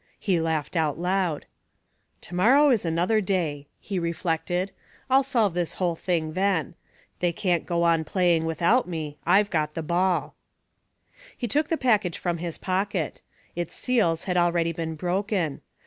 He laughed out loud. "To morrow is another day," he reflected. "I'll solve this whole thing then. They can't go on playing without me I've got the ball." He took the package from his pocket. Its seals had already been broken.